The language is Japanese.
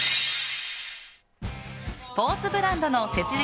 スポーツブランドの設立